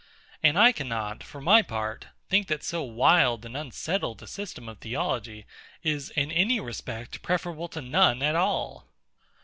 And I cannot, for my part, think that so wild and unsettled a system of theology is, in any respect, preferable to none at all.